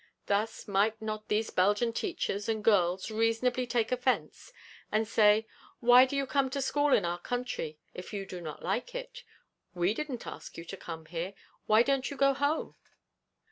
Thus, might not these Belgian teachers and girls reasonably take offence, and say, 'Why do you come to school in our country if you don't like it? We didn't ask you to come here. Why don't you go home?'